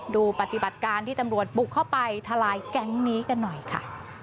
ดูปฏิบัติการที่ตำรวจบุกเข้าไปทลายแก๊งนี้กันหน่อยค่ะ